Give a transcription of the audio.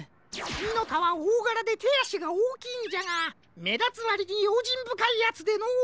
ミノタはおおがらでてあしがおおきいんじゃがめだつわりにようじんぶかいやつでのう。